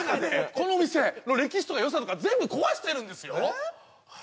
この店の歴史とか良さとか全部壊してるんですよえっ？